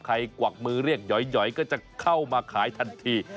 กวักมือเรียกหย่อยก็จะเข้ามาขายทันที